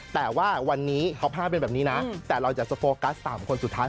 แต่ว่าวันนี้เขาพลาดเป็นแบบนี้นะแต่เราจะโฟกัส๓คนสุดท้าย